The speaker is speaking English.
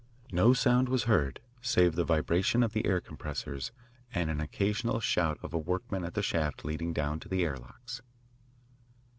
No sound was heard save the vibration of the air compressors and an occasional shout of a workman at the shaft leading down to the air locks.